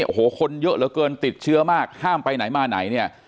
โอ้โหคนเยอะเหลือเกินติดเชื้อมากห้ามไปไหนมาไหนเนี่ย